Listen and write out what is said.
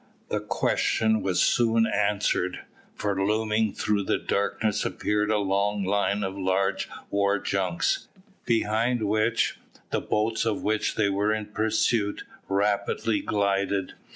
The question was soon answered, for looming through the darkness appeared a long line of large war junks, behind which the boat of which they were in pursuit rapidly glided.